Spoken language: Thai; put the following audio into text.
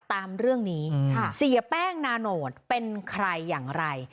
ตามเรื่องนี้เสียแป้งนาโนตเป็นใครอย่างไร